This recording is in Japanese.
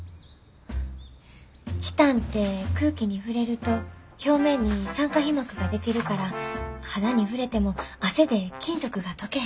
チタンって空気に触れると表面に酸化皮膜が出来るから肌に触れても汗で金属が溶けへん。